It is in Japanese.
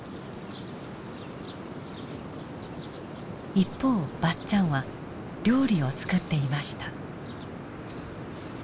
一方ばっちゃんは料理を作っていました。